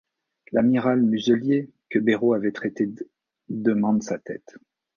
L'amiral Muselier, que Béraud avait traité d', demande sa tête.